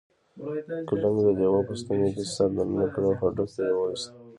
کلنګ د لیوه په ستوني کې سر دننه کړ او هډوکی یې وویست.